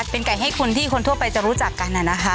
เป็นไก่ให้คนที่คนทั่วไปจะรู้จักกันนะคะ